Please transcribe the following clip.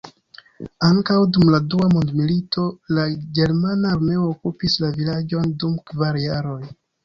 Ankaŭ dum dua mondmilito la ĝermana armeo okupis la vilaĝon dum kvar jaroj.